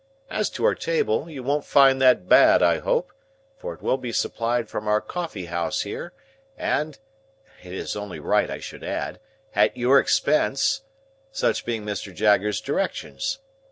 As to our table, you won't find that bad, I hope, for it will be supplied from our coffee house here, and (it is only right I should add) at your expense, such being Mr. Jaggers's directions.